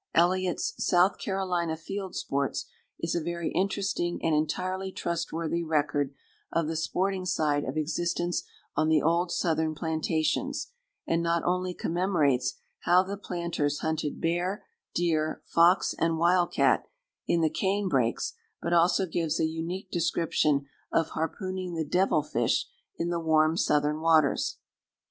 Elliott's "South Carolina Field Sports" is a very interesting and entirely trustworthy record of the sporting side of existence on the old Southern plantations, and not only commemorates how the planters hunted bear, deer, fox, and wildcat in the cane brakes, but also gives a unique description of harpooning the devil fish in the warm Southern waters.